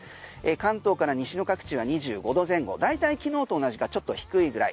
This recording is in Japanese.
関東から西の各地は２５度前後大体昨日と同じかちょっと低いくらい。